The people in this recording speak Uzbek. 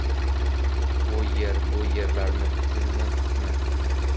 U yer-bu yerlari butunmi, butmi?